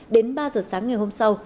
đến ba giờ sáng ngày hôm sau